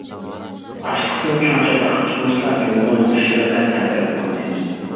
ئاشلىقتىن چوڭ چاتاق چىقمىسىلا، جۇڭگونىڭ ئىشلىرىدا تەمتىرەپ قالمايمىز.